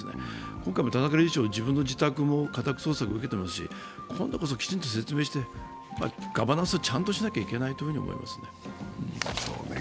今回も田中理事長、自宅の家宅捜索も受けていますし、今度こそきちんと説明して、ガバナンスをちゃんとしないとけないと思います。